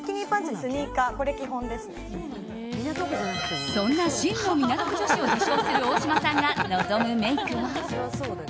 そんな真の港区女子を自称する大島さんが望むメイクは。